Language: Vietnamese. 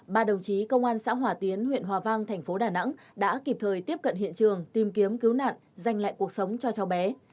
ba đồng chí công an xã hòa tiến huyện hòa vang thành phố đà nẵng đã kịp thời tiếp cận hiện trường tìm kiếm cứu nạn dành lại cuộc sống cho cháu bé